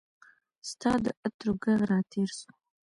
ستا د عطرو ږغ راتیر سو